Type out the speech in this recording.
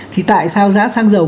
thì tại sao giá sang dầu